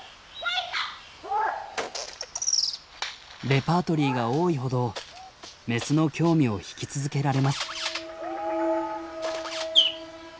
レパートリーが多いほどメスの興味を引き続けられます。